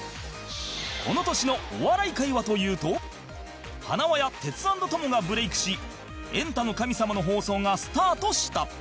この年のお笑い界はというとはなわやテツ ａｎｄ トモがブレイクし『エンタの神様』の放送がスタートした